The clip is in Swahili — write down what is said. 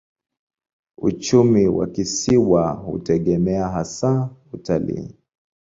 Uchumi wa kisiwa hutegemea hasa utalii.